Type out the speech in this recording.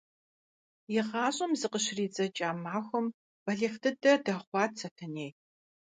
И гъащӀэм зыкъыщридзэкӀа махуэм балигъ дыдэ дэхъуат Сэтэней.